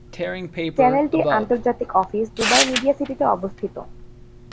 চ্যানেলটির আন্তর্জাতিক office Dubai media সিটিতে অবস্থিত।